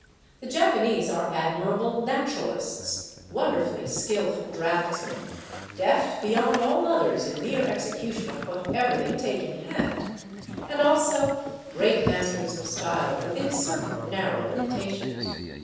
The Japanese are admirable naturalists, wonderfully skilful draughtsmen, deft beyond all others in mere execution of whatever they take in hand; and also great masters of style within certain narrow limitations.